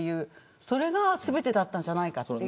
それが全てだったんじゃないかなと。